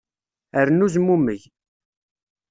Rnu zmummeg.